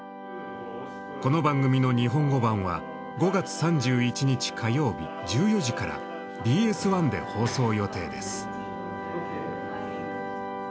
この番組の日本語版は５月３１日火曜日１４時からＢＳ１で放送予定です。